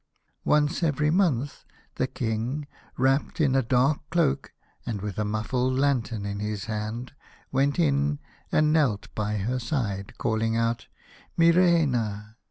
Once every month the King, wrapped in a dark cloak and with a muffled lantern in his hand, went in and knelt by her side, calling out, " Mi reina